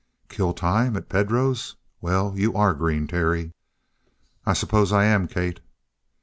"Kill time! At Pedro's? Well you are green, Terry!" "I suppose I am, Kate."